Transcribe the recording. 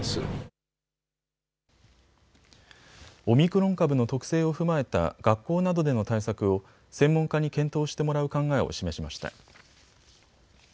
オミクロン株の特性を踏まえた学校などでの対策を専門家に検討してもらう考えを示しました。